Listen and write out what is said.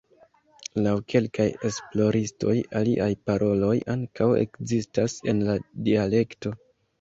Laŭ kelkaj esploristoj aliaj paroloj ankaŭ ekzistas en la dialekto.